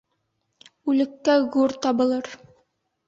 Үлеккә гүр табылыр